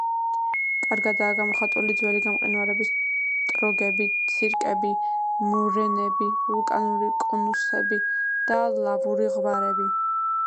კარგადაა გამოხატული ძველი გამყინვარების ტროგები, ცირკები, მორენები; ვულკანური კონუსები და ლავური ღვარები.